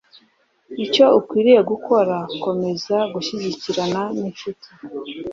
icyo ukwiriye gukora komeza gushyikirana n incuti